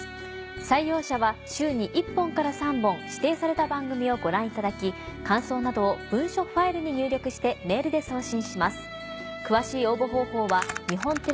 採用者は週に１本から３本指定された番組をご覧いただき感想などを文書ファイルに入力してメールで送信します。